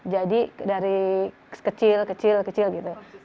jadi dari kecil kecil kecil gitu